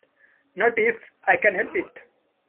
Not if I can help it.